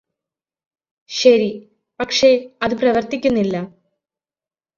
ശരി പക്ഷേ അത് പ്രവര്ത്തിക്കുന്നില്ല